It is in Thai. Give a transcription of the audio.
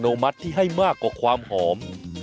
มัติที่ให้มากกว่าความหอม